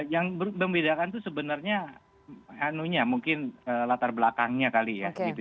yang membedakan itu sebenarnya anunya mungkin latar belakangnya kali ya